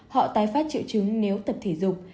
họ tái phát triệu chứng nếu tập thể dục